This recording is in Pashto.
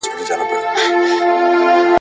له مستیه پر دوو سرو پښو سوه ولاړه !.